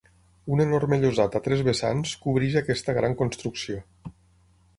Un enorme llosat a tres vessants cobreix aquesta gran construcció.